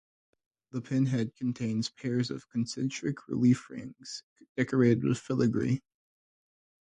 The pinhead contains pairs of concentric relief rings decorated with filigree.